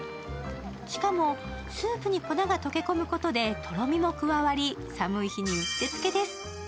しかも、スープに粉が溶け込むことでとろみが加わり寒い日にうってつけです。